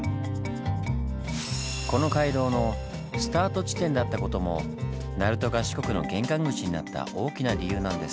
この街道のスタート地点だったことも鳴門が四国の玄関口になった大きな理由なんです。